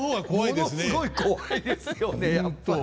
ものすごい怖いですよねやっぱり。